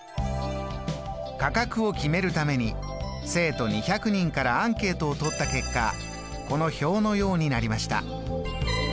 価格を決めるために生徒２００人からアンケートを取った結果この表のようになりました。